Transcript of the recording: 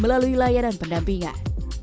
melalui layanan pendampingan